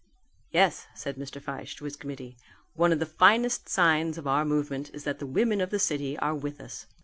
"Yes," said Mr. Fyshe to his committee, "one of the finest signs of our movement is that the women of the city are with us.